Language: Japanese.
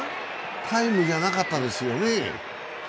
タイムじゃなかったですよね。